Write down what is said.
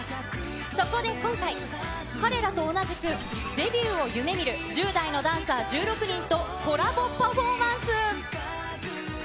そこで今回、彼らと同じく、デビューを夢みる１０代のダンサー１６人と、コラボパフォーマンス。